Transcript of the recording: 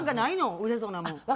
売れそうなもの。